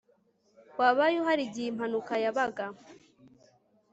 Wabaye uhari igihe impanuka yabaga